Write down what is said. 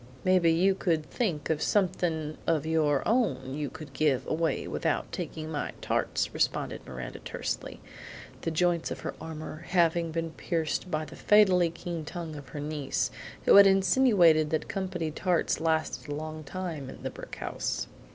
"Mebbe you could think of something of your own you could give away without taking my tarts!" responded Miranda tersely; the joints of her armor having been pierced by the fatally keen tongue of her niece, who had insinuated that company tarts lasted a long time in the brick house.